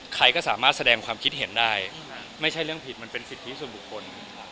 ใครก็สามารถแสดงความคิดเห็นได้ไม่ใช่เรื่องผิดมันเป็นสิทธิส่วนบุคคล